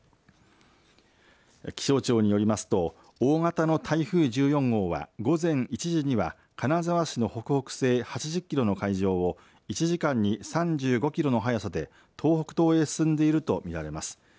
気象庁によりますと大型の台風１４号は午前１時には金沢市の北北西８０キロの海上を１時間に３５キロの速さで東北東へ進んでいると見られます。